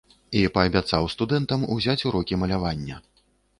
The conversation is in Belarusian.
І паабяцаў студэнтам узяць урокі малявання.